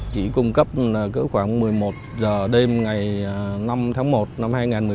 chị cung cấp khoảng một mươi một h đêm ngày năm tháng một năm hai nghìn một mươi ba